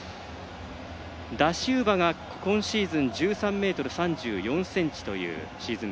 ダシウバが今シーズン１３ｍ３４ｃｍというシーズン